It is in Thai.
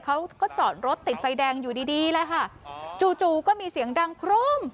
เขาก็จอดรถติดไฟแดงอยู่ดีดีแล้วค่ะจู่จู่ก็มีเสียงดังโครม